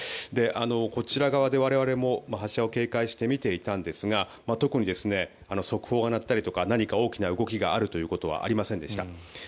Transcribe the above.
こちら側で我々も発射を警戒して見ていたんですが特に速報が鳴ったりとか何か大きな動きがあるということはありませんでした。